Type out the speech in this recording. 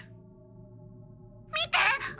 見て！